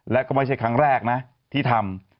และก็ไม่ใช่ครั้งแรกนะที่ทำ